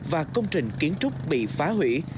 và công trình kiến trúc bị phá hủy